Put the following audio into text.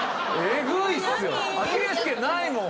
アキレス腱ないもん。